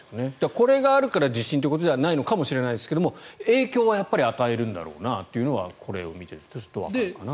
これがあるから地震ということじゃないのかもしれませんが影響はやっぱり与えるんだろうなというのはこれを見ているとちょっとわかるかな。